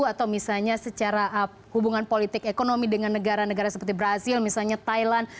atau misalnya secara hubungan politik ekonomi dengan negara negara seperti brazil misalnya thailand